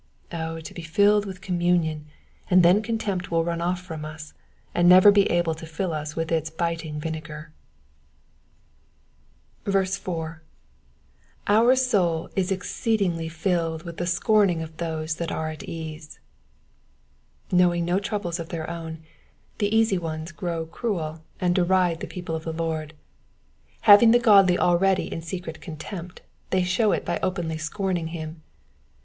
Oh to be filled with communion, and then contempt will run off from us, and never be able to fill us with its biting vinegar. Digitized by VjOOQIC 446 EXPOSITIONS OF THE PSALMS. 4. " Our 9oul U exceedingly JUUd with the scorning of those (hat are at «Mtf.'* Knowing no troubles of their own, the easy ones grow cruel and deride the people of the Lord. UavinK the godly already in secret contempt, they show It by openly scorning them.